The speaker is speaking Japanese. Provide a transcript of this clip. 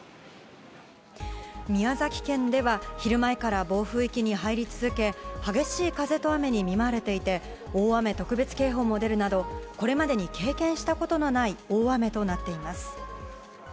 宮崎県では、昼前から暴風域に入り続け、激しい風と雨に見舞われていて、大雨特別警報も出るなど、これまでに経験したことのない大雨となっています。